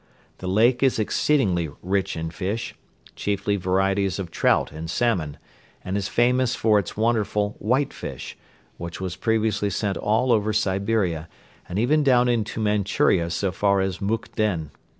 The lake is exceedingly rich in fish, chiefly varieties of trout and salmon, and is famous for its wonderful "white fish," which was previously sent all over Siberia and even down into Manchuria so far as Moukden.